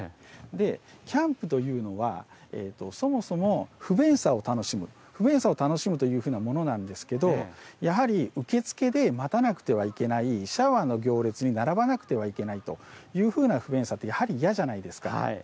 キャンプというのはそもそも不便さを楽しむ、不便さを楽しむというふうなものなんですけど、やはり受付で待たなくてはいけない、シャワーの行列に並ばなくてはいけないという、不便さってやはり嫌じゃないですか。